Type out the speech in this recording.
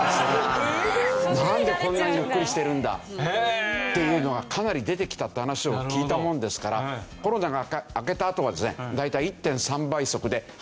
なんでこんなにゆっくりしてるんだっていうのがかなり出てきたって話を聞いたものですからコロナが明けたあとはですね大体。